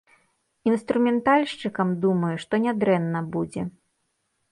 Інструментальшчыкам, думаю, што нядрэнна будзе.